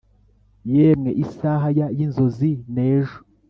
yemwe isaha ya yinzozi nejo